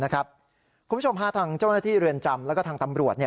คุณผู้ชมทางเจ้าหน้าที่เรือนจำแล้วก็ทางตำรวจ